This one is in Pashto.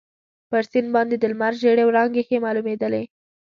پر سیند باندي د لمر ژېړې وړانګې ښې معلومیدلې.